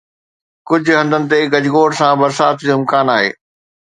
ڪجهه هنڌن تي گجگوڙ سان برسات جو امڪان آهي